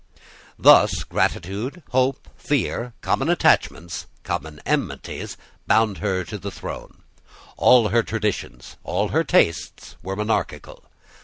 Thus gratitude, hope, fear, common attachments, common enmities, bound her to the throne. All her traditions, all her tastes, were monarchical.